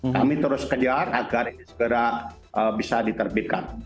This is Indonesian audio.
kami terus kejar agar ini segera bisa diterbitkan